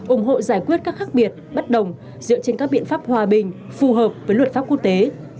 ủng hộ giải quyết các khác biệt bất đồng dựa trên các biện pháp hòa bình phù hợp với luật pháp quốc tế